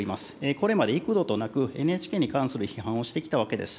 これまで幾度となく、ＮＨＫに関する批判をしてきたわけです。